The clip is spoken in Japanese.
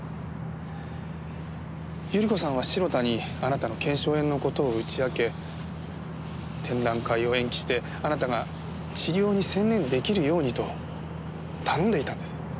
百合子さんは城田にあなたの腱鞘炎の事を打ち明け展覧会を延期してあなたが治療に専念出来るようにと頼んでいたんです。